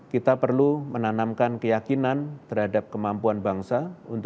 kita perlu menanamkan keyakinan terhadap kebijakan yang tersebut